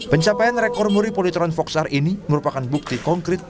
pencapaian rekor muri politron foxar ini merupakan bukti konkret